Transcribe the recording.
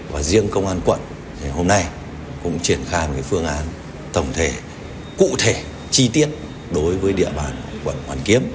và riêng công an quận hôm nay cũng triển khai một phương án tổng thể cụ thể chi tiết đối với địa bàn quận hoàn kiếm